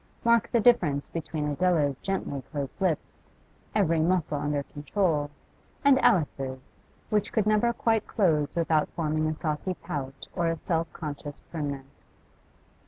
Mark the difference between Adela's gently closed lips, every muscle under control; and Alice's, which could never quite close without forming a saucy pout or a self conscious primness.